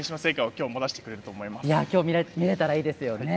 きょうも見れたらいいですよね。